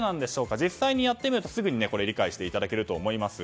実際にやってみるとすぐに理解していただけると思います。